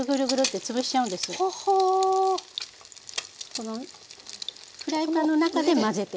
このフライパンの中で混ぜてしまう。